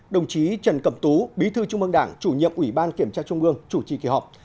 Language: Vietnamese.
đồng chí trần cẩm tú bí thư trung mương đảng chủ nhiệm ủy ban kiểm tra trung ương chủ trì kỳ họp